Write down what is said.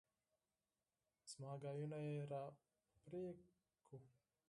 زما خبرې يې راپرې کړې.